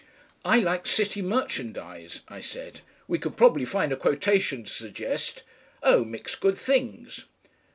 "I like CITY MERCHANDIZE," I said. "We could probably find a quotation to suggest oh! mixed good things."